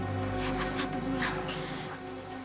ya mas satu bulan